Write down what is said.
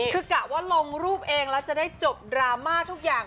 คือกะว่าลงรูปเองแล้วจะได้จบดราม่าทุกอย่าง